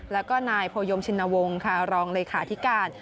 แล้วก็นายโพยมชินวงศ์ค่ะรองเลขาธิการ